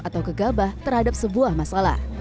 atau kegabah terhadap sebuah masalah